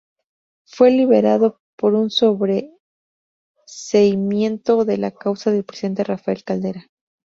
Fue liberado por un sobreseimiento de la causa del presidente Rafael Caldera.